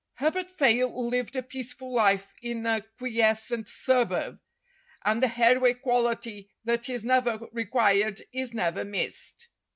Herbert Fayle lived a peaceful life in a quiescent suburb, and the heroic quality that is never required is never missed.